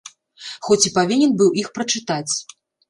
Хоць і павінен быў іх прачытаць.